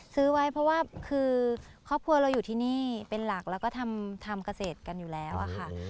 ซื้อไว้เพราะว่าคือครอบครัวเราอยู่ที่นี่เป็นหลักแล้วก็ทำเกษตรกันอยู่แล้วอะค่ะ